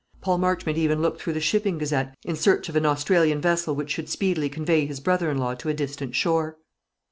Paul Marchmont even looked through the "Shipping Gazette" in search of an Australian vessel which should speedily convey his brother in law to a distant shore.